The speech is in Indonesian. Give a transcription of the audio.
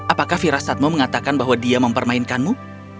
apakah firasatmu mengatakan bahwa dia mempermainkanmu